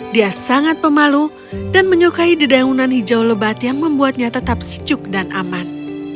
dia sangat pemalu dan menyukai dedaunan hijau lebat yang membuatnya tetap sejuk dan aman